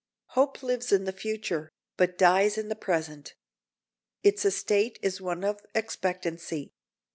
Hope lives in the future, but dies in the present. Its estate is one of expectancy.